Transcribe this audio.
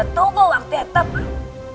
tunggu waktu yang tepat